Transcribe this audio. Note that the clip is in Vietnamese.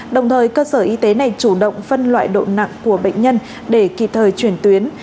đồng thời cơ sở y tế này chủ động phân loại độ nặng của bệnh nhân để kịp thời chuyển tuyến